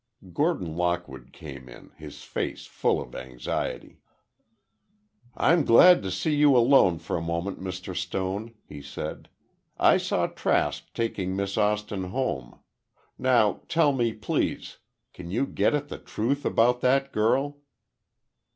Gordon Lockwood came in, his face full of anxiety. "I'm glad to see you alone for a moment, Mr. Stone," he said. "I saw Trask taking Miss Austin home. Now, tell me, please, can you get at the truth about that girl?"